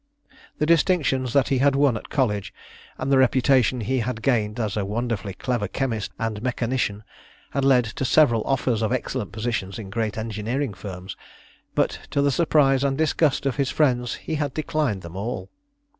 The distinctions that he had won at college, and the reputation he had gained as a wonderfully clever chemist and mechanician, had led to several offers of excellent positions in great engineering firms; but to the surprise and disgust of his friends he had declined them all.